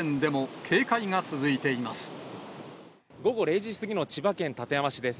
午後０時過ぎの千葉県館山市です。